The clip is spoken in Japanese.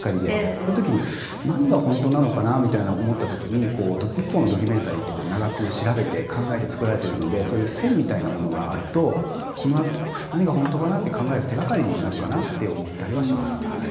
そういう時に何が本当なのかなみたいに思った時に一本のドキュメンタリーって長く調べて考えて作られてるのでそういう線みたいなものがあると何が本当かなって考える手がかりになるかなと思ったりはします。